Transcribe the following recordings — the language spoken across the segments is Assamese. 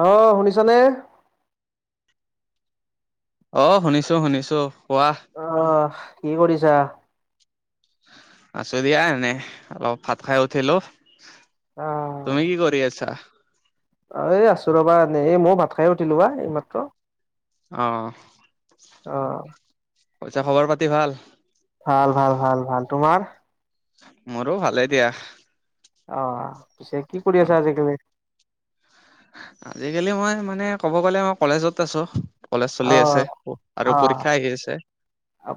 অঁ শুনিছ নে? [inaudible] অ! শুনিছোঁ-শুনিছোঁ। কোৱা? [inaudible] আহ! কি কৰিছা? [inaudible] আছো দিয়া এনেই অলপ ভাত খাই উঠিলো। তুমি কি কৰি আছা? [unintelligible] অ এই আছো ৰবা এনেই। এই মইয়ো ভাত খাই উঠিলো বা এইমাত্ৰ। [unintelligible] অঁ! [unintelligible] অঁ! পিছে খবৰ পাতি ভাল? ভাল-ভাল-ভাল-ভাল। তোমাৰ? [unintelligible] মোৰো ভালে দিয়া। [inaudible] অঁ! পিছে কি কৰি অ আছা আজিকালি? [inaudible] আজিকালি মই মানে ক'ব গ'লে মই কলেজত আছোঁ। [unintelligible] কলেজ চলি আছে, অ', আৰু পৰীক্ষা আহি আছে। [inaudible]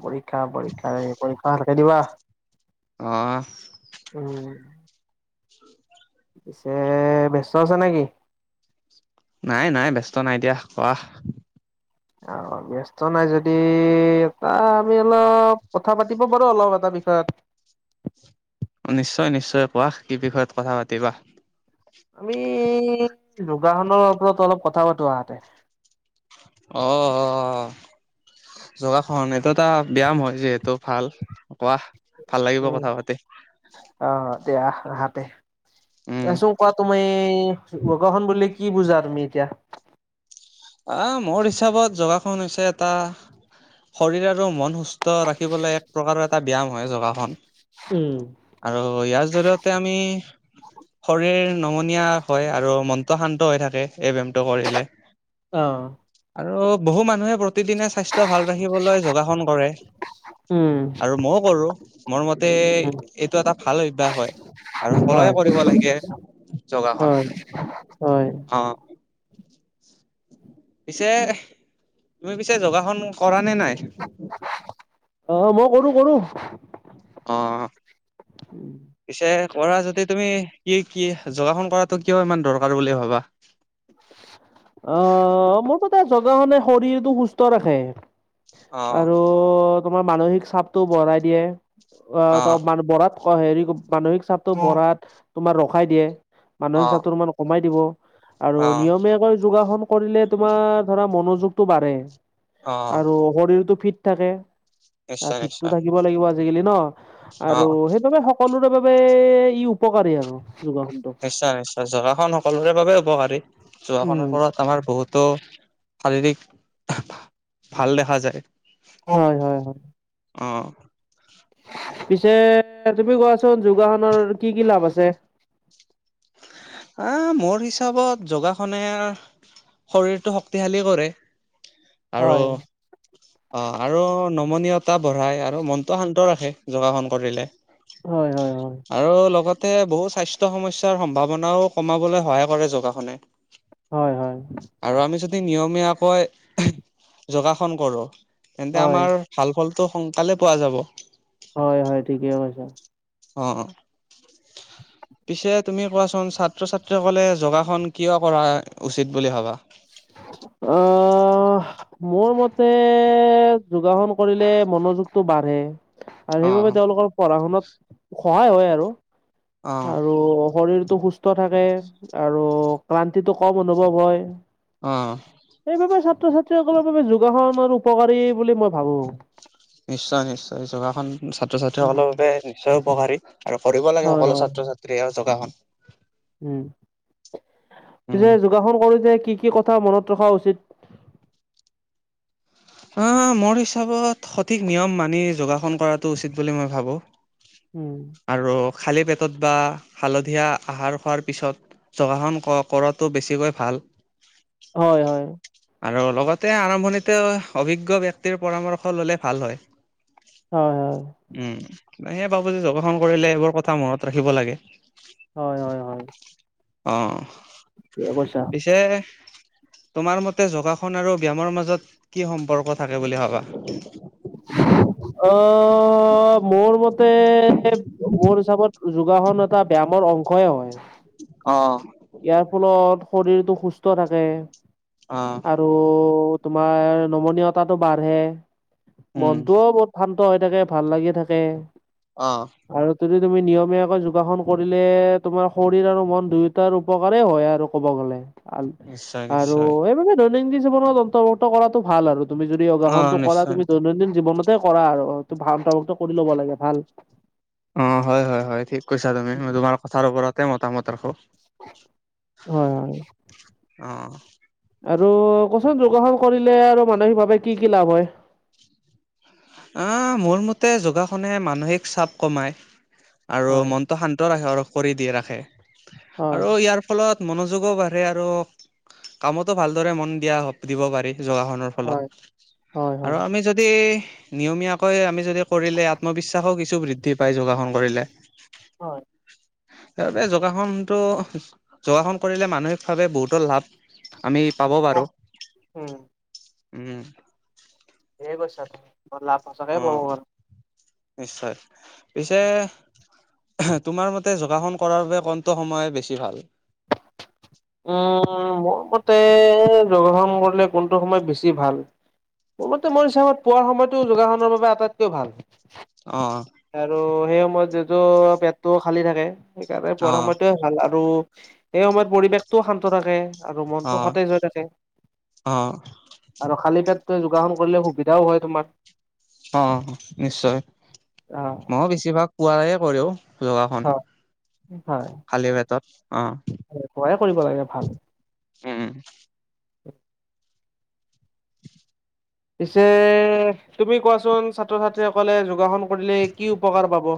পৰীক্ষা-পৰীক্ষা-পৰীক্ষা [unintelligible] পৰীক্ষা ভালকে দিবা। [inaudible] অঁ! উম! পিছে ব্যস্ত আছ নে কি? [inaudible] নাই-নাই ব্যস্ত নাই দিয়া। কোৱা? [unintelligible] অঁ, ব্যস্ত নাই যদি এটা আমি অলপ কথা পাতিব পাৰো অলপ এটা বিষয়ত। [unintelligible] নিশ্চয়-নিশ্চয়। কোৱা কি বিষয়ত কথা পাতিবা? [unintelligible] আমি যোগাসনৰ ওপৰত অলপ কথা পাতো আহা [unintelligible] অ-অ [inaudible] যোগাসন এইটোত এটা ব্যায়াম হয় যিহেতু ভাল কোৱা, ভাল লাগিব উম, কথা পাতি। [inaudible] অ দিয়া আহাতে উম [unintelligible] চোন কোৱা তুমি যোগাসন বুলিলে কি [unintelligible] কি বুজা তুমি এতিয়া? [unintelligible] আহ মোৰ হিচাপত যোগাসন হৈছে এটা শৰীৰ আৰু মন সুস্থ [unintelligible] সুস্থ ৰাখিবলৈ এক প্ৰকাৰৰ এটা ব্যায়াম হয় যোগাসন। [inaudible] উম। আৰু ইয়াৰ জৰিয়তে আমি শৰীৰ নমনীয়া হয় আৰু মনটো শান্ত হৈ থাকে এই ব্যায়ামটো কৰিলে। [unintelligible] অঁ। আৰু বহু মানুহে প্ৰতিদিনে স্বাস্থ্য ভাল ৰাখিবলৈ যোগাসন কৰে। [inaudible] উম, আৰু মইয়ো কৰোঁ। মোৰ মতে উম, এইটো এটা ভাল অভ্যাস হয়। [inaudible] আৰু হয়, সকলোৱে কৰিব লাগে যোগাসন। [inaudible] হয়, হয়। [unintelligible] অ'। পিছে, তুমি পিছে যোগাসন কৰা নে নাই? অ', মই কৰো কৰো। অ'। পিছে, কৰা যদি তুমি কি, কি যোগাসন কৰাটো কিয় ইমান দৰকাৰ বুলি ভাবা? অ', মোৰ কথা, যগাসনে শৰীৰটো সুস্থ ৰাখে। অ আৰু তোমাৰ মানসিক চাপটো বঢ়াই দিয়ে। অ', মান ওপৰত। অ', হেৰি মানসিক চাপটো বঢ়াত তোমাৰ ৰখাই দিয়ে। অ মানসিক চাপটো অকমান কমাই দিব। আৰু অ নিয়মীয়াকৈ যোগাসন কৰিলে তোমাৰ ধৰা মনোযোগটো বাঢ়ে। অ আৰু শৰীৰটো ফিট থাকে। নিশ্চয় ফিটটো নিশ্চয় থাকিব লাগিব আজিকালি ন? অ আৰু সেইবাবে সকলোৰে বাবে ই উপকাৰী আৰু। যোগাসন। নিশ্চয়, নিশ্চয়। যোগাসন সকলোৰে বাবে উপকাৰী। উম যোগাসনৰ ফলত আমাৰ বহুতো শাৰীৰিক ভাল দেখা যায়। হয়, হয়, হয়। অ'। পিছে, তুমি কোৱাচোন যোগাসনৰ কি কি লাভ আছে? অ', মোৰ হিচাপত যোগাসনে শৰীৰটো শক্তিশালী কৰে। আৰু। [unintelligible] অ', আৰু নমনীয়তা বঢ়াই আৰু মনটো শান্ত ৰাখে, যোগাসন কৰিলে। হয়, হয়। হয় আৰু, লগতে বহু স্বাস্থ্য সমস্যাৰ সম্ভাৱনাও কমাবলৈ সহায় কৰে যোগাসনে। হয়, হয়। আৰু আমি যদি নিয়মীয়াকৈ যোগাসন কৰোঁ, তেন্তে হয় আমাৰ ভাল ফলটো সোনকালে পোৱা যাব। হয়, হয়। ঠিকেই কৈছা। অ'। [unintelligible] পিছে তুমি কোৱাচোন, ছাত্ৰ-ছাত্ৰীসকলে যোগাসন কিয় কৰা উচিত বুলি ভাবা? অ'। মোৰ মতে, যোগাসন কৰিলে মনোযোগতটো বাঢ়ে। আৰু অ', সেইবাবে তেওঁলোকৰ পঢ়া শুনাত, সহায় হয় আৰু। অ', আৰু শৰীৰটো সুস্থ থাকে, আৰু ক্লান্তিটো কম অনুভৱ হয়। অ'। সেইবাবে ছাত্ৰ ছাত্ৰীসকলৰ বাবে যোগাসন আৰু উপকাৰী বুলি মই ভাবো। নিশ্চয়, নিশ্চয়। যোগাখন ছাত্ৰ-ছাত্ৰীসকলৰ বাবে নিশ্চয় উপকাৰী। আৰু কৰিব লাগে, হয় সকলো ছাত্ৰ-ছাত্ৰীয়ে যোগাসন। উ। উম, পিছে যোগাসন কৰোঁতে কি কি কথা মনত ৰখা উচিত? হা, মোৰ হিচাপত সঠিক নিয়ম মানি যোগাসন কৰাটো উচিত বুলি মই ভাবোঁ। উ। আৰু খালী পেটত বা হালধীয়া আহাৰ খোৱাৰ পিছত যোগাসন ক-কৰাটো বেছিকৈ ভাল। হয়, হয়। আৰু লগতে, আৰম্ভণিতে অভিজ্ঞ ব্যক্তিৰ পৰামৰ্শ ললে ভাল হয়। হয়, হয়। উম, সে, বাবো যে যোগাসন কৰিলে এইবোৰ কথা মনত ৰাখিব লাগে। হয়, হয়। হয় অ, ঠিকে কৈছা। পিছে তোমাৰ মতে যোগাসন আৰু ব্যায়ামৰ মাজত কি সম্পৰ্ক থাকে বুলি ভাবা। অ, মোৰ মতে, মোৰ হিচাপত যোগাসন এটা ব্যায়ামৰ অংশইে হয়। অ, ইয়াৰ ফলত, শৰীৰটো সুস্থ থাকে। অ, ত, তোমাৰ নমনীয়তাটো বাঢ়ে, উম, মনতটোও বহুত ভাল হৈ থাকে ভাল লাগি থাকে। অ, আৰু যদি তুমি নিয়মীয়াকৈ যোগাসন কৰিলে, তোমাৰ শৰীৰ আৰু মন দুয়ো তাৰ উপকাৰেই হয় আৰু ক'ব গ'লে, নিশ্চয় আৰু নিশ্চয়। এইবিলাক দৈনন্দিন জীৱনত অন্তৰ্ভুক্ত কৰাটো ভাল আৰু তুমি যদি অ', যোগাখনটো কৰা, নিশ্চয় তুমি দৈনন্দিন জীৱনত কৰা আৰু ত, ভা, কৰি ল'ব লাগে ভাল অ, হয়, হয়, হয়, ঠিক কৈছা তুমি, তোমাৰ কথাৰ ওপৰতে মতামত ৰাখোঁ। হয়, হয়। অ, আৰু ক'ব যোগাসন কৰিলে আৰু মানসিকভাৱে কি কি লাভ হয়? আহ, মোৰ মতে যোগাসনে মানসিক চাপ কমাই, আৰু হয় মন শান্ত ৰাখে আৰু কৰি দিয়ে ৰাখে, হয় আৰু ইয়াৰ ফলত মনোযোগো বাঢ়ে আৰু কামতো ভালদৰে মন দিয়া দিব পাৰি যোগাসনত। ফলত, হয় হয় আৰু হয়। আমি যদি নিয়মীয়াকৈ আমি যদি কৰিলে, আত্মবিশ্বাসো কিছু বৃদ্ধি পায় যোগাসন কৰিলে। হয়। সেইবাবে, যোগাসনটো যোগাসন কৰিলে মানসিকভাৱে বহুতো লাভ আমি পাব পাৰো। উম উম, ঠিক কৈছা, বা বৰ লাভ সচাকে অ', পাব বাৰু। নিশ্চয়, পিছে তোমাৰ মতে যোগাসন কৰাৰ বাবে কোনটো সময় বেছি ভাল। উম, মোৰ মতে যোগাসণ কৰিলে কোনটো সময় বেছি ভাল। মোৰ মতে মোৰ হিচাপত, পোৱাৰ সময়তটো যোগাসনৰ বাবে আটাইতকৈ ভাল। অ, আৰু সেই সময়ত যিহেতু পেটটো খালী থাকে, সেইকাৰণে পোৱাৰ অ', সময়তে ভাল, আৰু সেই সময়ত পৰিৱেশটোও শান্ত থাকে। আৰু মনটো অ', সতেজ হৈ থাকে। অ', আৰু খালী পেট যোগাসন কৰিলে সুবিধাও হয় তোমাৰ। অ, নিশ্চয় আহ ময়ো বেছিভাগ পোৱাই কৰোও। যোগাসন, হয় হয় খালি পেটত, অ, পুৱাই কৰিব লাগে ভাল উম, উম, [unintelligible] পিছে, তুমি কোৱাচোন ছাত্ৰ-ছাত্ৰীসকলে যোগাসন কৰিলে কি উপকাৰ পাব।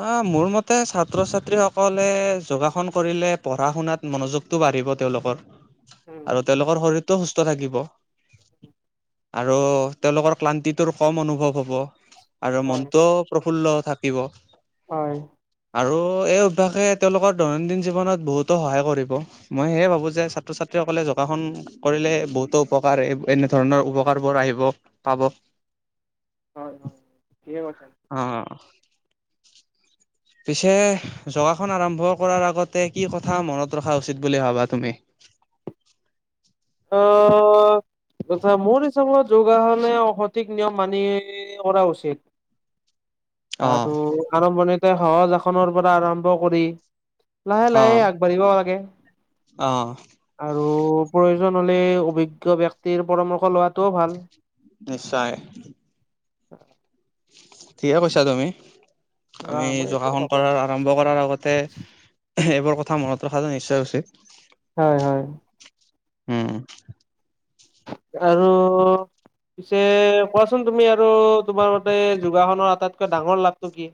অ মোৰ মতে ছাত্ৰ ছাত্ৰী সকলে যোগাসন কৰিলে পঢ়া শুনাত। মনোযোগটো বাঢ়িব তেওঁলোকৰ আৰু তেওঁলোকৰ শৰীৰটো সুস্থ থাকিব। আৰু তেওঁলোকৰ ক্লান্তিটোৰ কম অনুভৱ হ'ব। আৰু হয় মনটোও প্ৰফুল্ল হৈ থাকিব। হয়। আৰু এই অভ্যাসে তেওঁলোকৰ দৈনন্দিন জীৱনত বহুতো সহায় কৰিব। মই সেয়ে ভাবো যে ছাত্ৰ ছাত্ৰীসকলে যোগাসন কৰিলে বহুতো উপকাৰ এনেধৰণৰ উপকাৰ বোৰ আহিব পাব। হয় হয় ঠিকে কৈছা। অ [unintelligible] পিছে জগাসন আৰম্ভ কৰাৰ আগতে কি কথা মনত ৰখা উচিত বুলি ভাবা তুমি ত তথা মোৰ ত যোগাসনে সঠিক নিয়ম মানি কৰা উচিত অ' আৰু আৰম্ভণিতে সহজ এখনৰ পৰা আৰম্ভ কৰি লাহে অ' লাহে আগবাঢ়িব লাগে অ আৰু প্ৰয়োজন হলে অভিজ্ঞ ব্যক্তিৰ পৰামৰ্শ লোৱাটোও ভাল নিশ্চয় ঠিকে কৈছা তুমি অ আমি মই এইটোৱে যোগাসন ভাবো কৰাৰ আৰম্ভ কৰাৰ আগতে এইবোৰ কথা মনত ৰখাতো নিশ্চয় উচিত হয় হয় উম আৰু পিছে কোৱাচোন তুমি আৰু তোমাৰ মতে যোগাসনৰ আটাইতকৈ ডাঙৰ লাভটো কি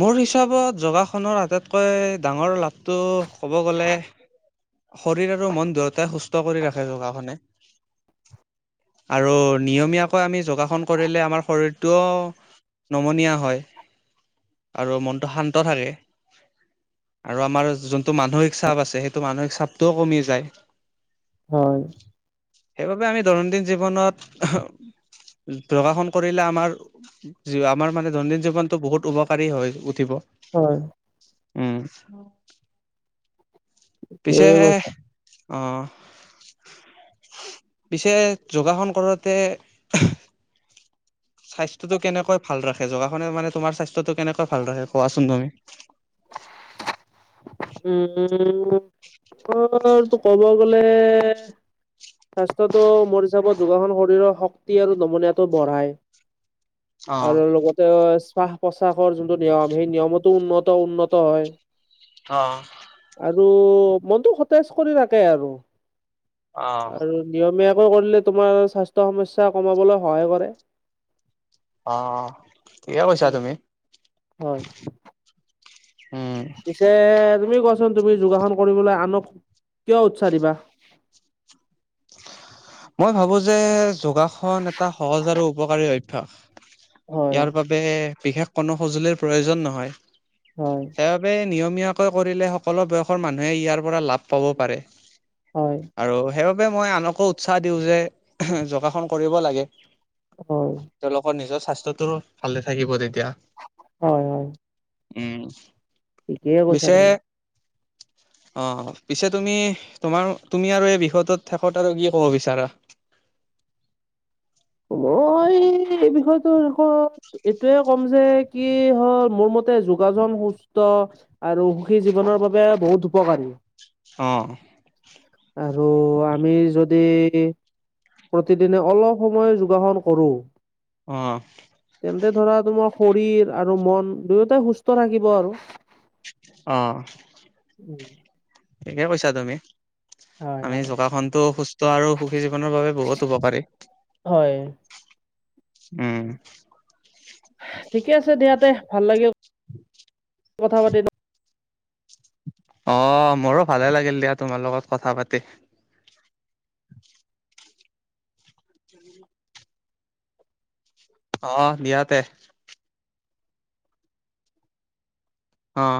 মোৰ হিচাপত যোগাসনৰ আটাইতকৈ ডাঙৰ লাভ টো ক'ব গ'লে শৰীৰ আৰু মন দুয়োটাই সুস্থ সুস্থ কৰি ৰাখে যোগাসনে আৰু নিয়মীয়াকৈ আমি যোগাসন কৰিলে আমাৰ শৰীৰটোও নমনীয়া হয় আৰু মনটো শান্ত থাকে আৰু আমাৰ যোনটো মানসিক চাপ আছে সেইটো মানসিক চাপটোও কমি যায় হয় সেইবাবে আমি দৈনন্দিন জীৱনত যোগাসন কৰিলে আমাৰ আমাৰ মানে দৈনন্দিন জীৱনটো বহুত উপকাৰী হৈ উঠিব হয় উম পিছে ঠিকেই কৈছা অহ পিছে যোগাসন কৰোতে [unintelligible] স্বাস্থ্যটো কেনেকৈ ভাল ৰাখে যোগাসনে মানে তোমাৰ স্বাস্থ্যটো কেনেকৈ ভাল ৰাখে কোৱাচোন তুমি উম হুম ত ক'ব গলে স্বাস্থ্যটো মোৰ হিচাপত যোগাসন শৰীৰৰ শক্তি আৰু নমনীয়াটো বঢ়ায় অ', আৰু লগতে শ্বাস প্ৰশ্বাসৰ যোনটো নিয়ম সেই নিয়মতো উন্নত উন্নত হয় অ আৰু মনতটো সতেজ কৰি ৰাখে আৰু, অ', আৰু - নিয়মীয়াকৈ কৰিলে তোমাৰ স্বাস্থ্য সমস্যা কমাবলৈ সহায় কৰে। অ, ঠিকেই কৈছা উম, তুমি। হয় উম, যে তুমি কোৱাচোন তুমি যোগাসন কৰিবলৈ আনক কিয় উৎসাহ দিবা। মই ভাবো যে যোগাসন এটা সহজ আৰু উপকাৰী অভ্যাস। হয় ইয়াৰ বাবে বিশেষ কোনো সঁজুলিৰ প্ৰয়োজন নহয়। হয়, সেইবাবে নিয়মীয়াকৈ কৰিলে সকলো বয়সৰ মানুহে ইয়াৰ পৰা লাভ পাব পাৰে। হয়, আৰু সেইবাবে মই আনকো উৎসাহ দিওঁ যে যোগাসন কৰিব লাগে। হয়, তেওঁলোকৰ নিজৰ স্বাস্থ্যটোৰ ভালে থাকিব তেতিয়া। হয়, হয়। উম, ঠিকেই কৈছা পিছে তুমি - অ, পিছে তুমি তোমাৰ তুমি আৰু এই বিষয়টোত - কথা আৰু কি ক'ব বিচাৰা? মই এই বিষয়টোৰ ওপৰত - এইটোয়ে ক'ম যে কি হ'ল মোৰ মতে যোগযন সুস্থ - আৰু সুখী জীৱনৰ বাবে বহুত উপকাৰী। অঁ, আৰু আমি যদি - প্ৰতিদিনে অলপ সময় যোগাসন কৰো - অঁ, তেন্তে ধৰা তোমাৰ শৰীৰ আৰু মন দুয়োটাই সুস্থ থাকিব আৰু। অ, ওম, ঠিকেই কৈছা তুমি। হয় আমি হয় যোগাসনতো সুস্থ আৰু সুখী জীৱনৰ বাবে বহুত উপকাৰী। হয়, উম, ঠিকে আছে দিয়া দে, ভাল লাগে কথা পাতিম তো - অ, মোৰো ভালে লাগিল দিয়া তোমাৰ লগত কথা পাতি। অ দিয়াতে। অ,